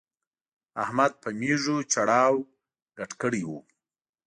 احمد په مېږو چړاو ګډ کړی وو.